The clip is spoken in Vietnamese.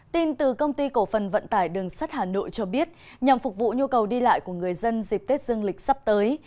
tin từ công ty cổ phần vận tải đường sắt hà nội cho biết nhằm phục vụ nhu cầu đi lại của người dân dịp tết dương lịch sắp tới